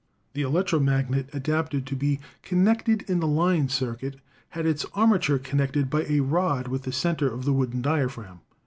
The electro magnet adapted to be connected in the line circuit had its armature con nected by a rod with the center of the wooden diaphragm.